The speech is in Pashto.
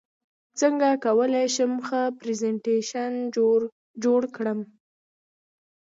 څنګه کولی شم ښه پرزنټیشن جوړ کړم